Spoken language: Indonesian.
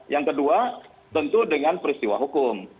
yang kedua tentu dengan peristiwa hukum